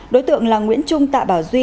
đối tượng là nguyễn trung tạ bảo duy